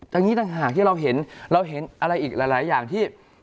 อย่างนี้ต่างหากที่เราเห็นเราเห็นอะไรอีกหลายอย่างที่